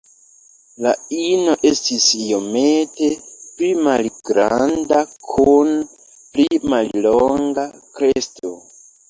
La ino estis iomete pli malgranda kun pli mallonga kresto.